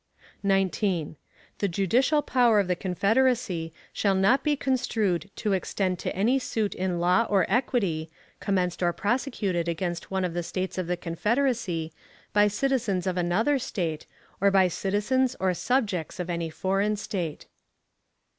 19. The judicial power of the Confederacy shall not be construed to extend to any suit in law or equity, commenced or prosecuted against one of the States of the Confederacy, by citizens of another State, or by citizens or subjects of any foreign state.